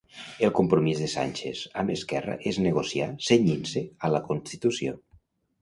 El compromís de Sánchez amb Esquerra és negociar cenyint-se a la Constitució.